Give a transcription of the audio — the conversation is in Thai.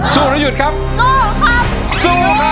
หรือหยุดครับสู้ครับสู้ครับ